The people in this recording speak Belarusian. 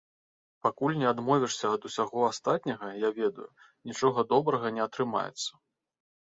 Пакуль не адмовішся ад усяго астатняга, я ведаю, нічога добрага не атрымаецца.